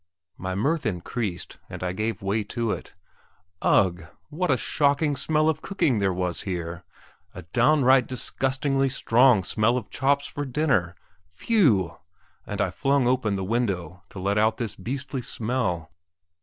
My mirth increased, and I gave way to it. Ugh! what a shocking smell of cooking there was here a downright disgustingly strong smell of chops for dinner, phew! and I flung open the window to let out this beastly smell.